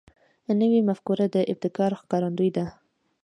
نوې مفکوره د ابتکار ښکارندوی ده